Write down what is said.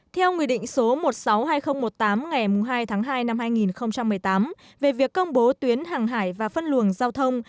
theo nguyên định số một trăm sáu mươi hai nghìn một mươi tám ngày hai tháng hai năm hai nghìn một mươi tám về việc công bố tuyến hàng hải và phân luồng giao thông